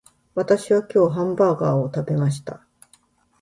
私は今日ハンバーガーを食べました